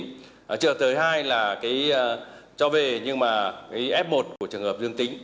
trường hợp thứ hai là cho về nhưng mà f một của trường hợp dương tính